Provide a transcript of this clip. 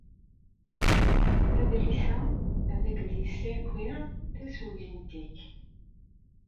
Adlis-a ad ak-d-yessaki tasugint-ik.